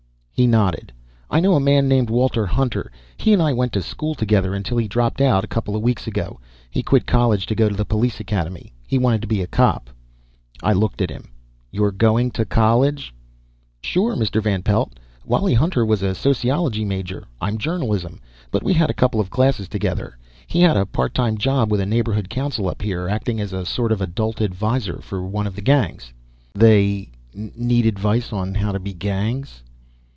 He nodded. "I know a man named Walter Hutner. He and I went to school together, until he dropped out, couple weeks ago. He quit college to go to the Police Academy. He wanted to be a cop." I looked at him. "You're going to college?" "Sure, Mr. Van Pelt. Wally Hutner was a sociology major I'm journalism but we had a couple of classes together. He had a part time job with a neighborhood council up here, acting as a sort of adult adviser for one of the gangs." "They need advice on how to be gangs?"